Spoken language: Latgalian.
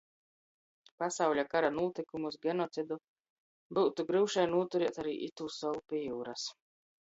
Pasauļa kara nūtykumus, genocidu, byutu gryušai nūturēt ari itū solu pi jiurys.